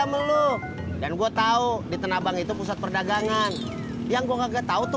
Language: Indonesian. sama lo dan gua tahu di tanah abang itu pusat perdagangan yang gua nggak tahu tuh